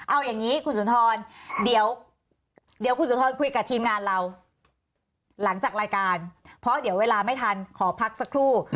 เอาอย่างนี้คุณสุนทรเดี๋ยวคุณสุนทรคุยกับทีมงานเราหลังจากรายการเพราะเดี๋ยวเวลาไม่ทันขอพักสักครู่